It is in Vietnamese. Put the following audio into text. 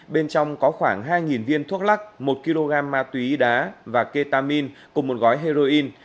bên trong có khoảng hai viên thuốc lắc một kg ma túy đá và ketamin cùng một gói heroin